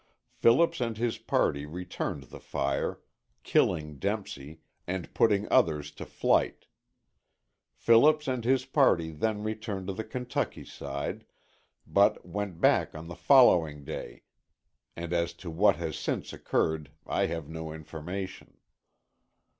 Phillips and his party returned the fire, killing Dempsey and putting others to flight. Phillips and his party then returned to the Kentucky side, but went back on the following day, and as to what has since occurred I have no information.